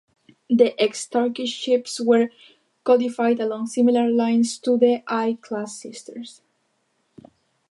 The ex-Turkish ships were modified along similar lines to their I-class sisters.